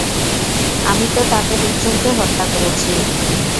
আমি তো তাদের একজনকে হত্যা করেছি।